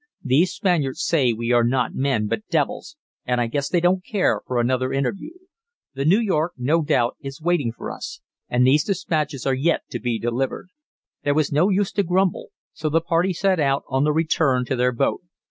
These Spaniards say we are not men, but devils, and I guess they don't care for another interview. The New York no doubt is waiting for us, and these dispatches are yet to be delivered." There was no use to grumble, so the party set out on the return to their boat.